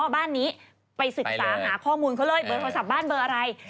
บ้านนี้ไปศึกษาหาข้อมูลเขาเลยเบอร์โทรศัพท์บ้านเบอร์อะไร